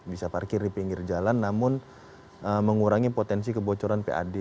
bisa parkir di pinggir jalan namun mengurangi potensi kebocoran pad